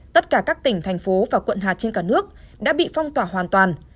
tất cả các tỉnh thành phố và quận hạt trên cả nước đã bị phong tỏa hoàn toàn